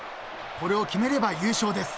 ［これを決めれば優勝です］